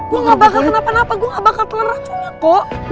gue gak bakal kenapa napa gue gak bakal pelerang cuma kok